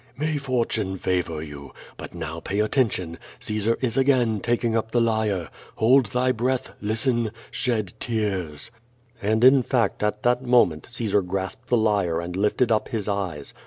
"May fortune favor you. But now pay attention. Caesar is again taking up the lyre. ' Hold thy breath, listen, shed tears." And, in fact, at this moment, Caesar grasped the lyre and lifted up his eyes.